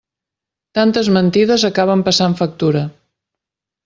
Tantes mentides acaben passant factura.